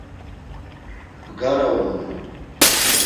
Bgara uğunan.